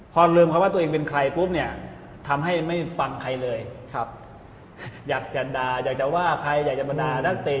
พอลืมเขาว่าตัวเองเป็นใครปุ๊บเนี่ยทำให้ไม่ฟังใครเลยครับอยากจะด่าอยากจะว่าใครอยากจะบรรดานักเตะ